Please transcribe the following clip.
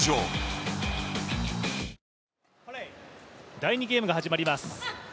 第２ゲームが始まります。